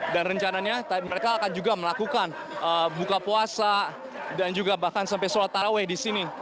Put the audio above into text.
dan rencananya mereka akan juga melakukan buka puasa dan juga bahkan sampai sholat taraweh di sini